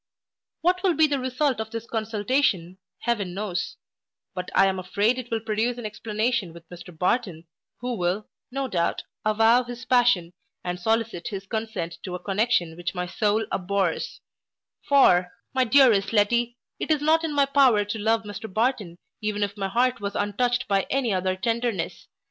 What will be the result of this consultation, Heaven knows; but I am afraid it will produce an explanation with Mr Barton, who will, no doubt, avow his passion, and solicit their consent to a connexion which my soul abhors; for, my dearest Letty, it is not in my power to love Mr Barton, even if my heart was untouched by any other tenderness.